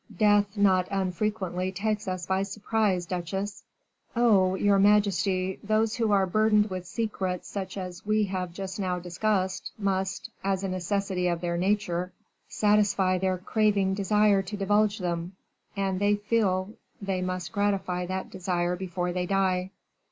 "Death not unfrequently takes us by surprise, duchesse." "Oh! your majesty, those who are burdened with secrets such as we have just now discussed must, as a necessity of their nature, satisfy their craving desire to divulge them, and they feel they must gratify that desire before they die.